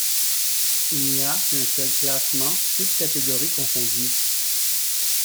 Il n' y a qu'un seul classement, toutes catégories confondues.